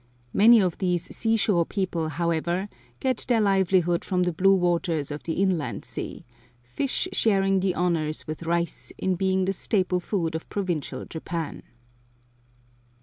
Many of these sea shore people however, get their livelihood from the blue waters of the Inland Sea; fish sharing the honors with rice in being the staple food of provincial Japan.